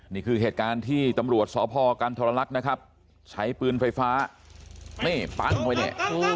นี่คือเหตุการณ์ที่ตำรวจสพกันทรลักษณ์นะครับใช้ปืนไฟฟ้านี่ปั้งไปเนี่ย